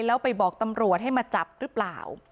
แล้วไปบอกตำรวจให้มาจับหรือเปล่า